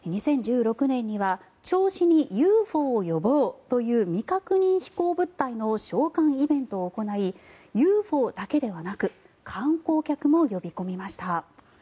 ２０１６年には「銚子にＵＦＯを呼ぼう！」という未確認飛行物体の召喚イベントを行いＵＦＯだけではなく観光客も呼び込みました。